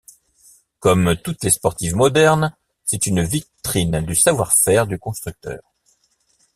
Comme toutes les sportives modernes, c'est une vitrine du savoir-faire du constructeur.